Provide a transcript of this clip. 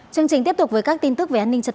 chương trình tiếp tục với các tin tức